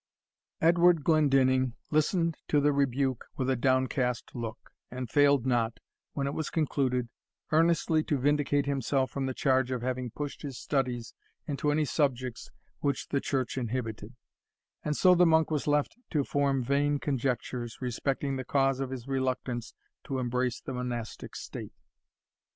Edward Glendinning listened to the rebuke with a downcast look, and failed not, when it was concluded, earnestly to vindicate himself from the charge of having pushed his studies into any subjects which the Church inhibited; and so the monk was left to form vain conjectures respecting the cause of his reluctance to embrace the monastic state.